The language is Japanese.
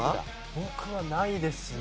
僕はないですね。